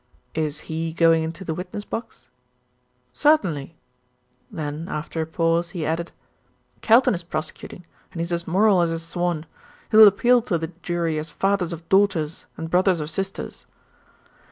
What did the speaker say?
"Is he going into the witness box?" "Certainly"; then after a pause he added, "Kelton is prosecuting, and he's as moral as a swan. He'll appeal to the jury as fathers of daughters, and brothers of sisters."